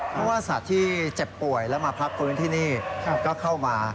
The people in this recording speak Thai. เพราะว่าสัตว์ที่เจ็บป่วยแล้วมาพักฟื้นที่นี่ก็เข้ามา